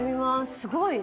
すごい。